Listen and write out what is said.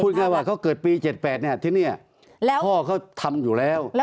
พูดง่ายว่าเขาเกิดปี๗๘เนี่ยทีนี้พ่อเขาทำอยู่แล้ว